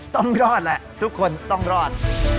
ต้องรอดแหละทุกคนต้องรอด